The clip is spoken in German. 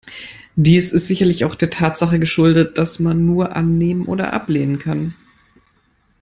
Dies ist sicherlich auch der Tatsache geschuldet, dass man nur annehmen oder ablehnen kann.